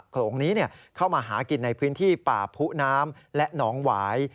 โลงนี้เข้ามาหากินในพื้นที่ป่าผู้น้ำและหนองหวาย